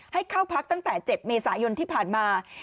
ให้เข้าพักตั้งแต่๗เมษายนที่ผ่านมา